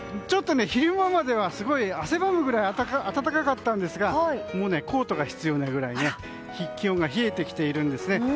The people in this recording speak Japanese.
ちょっと昼間までは汗ばむぐらい暖かかったんですがもうコートが必要なくらい気温が冷えてきているんですね。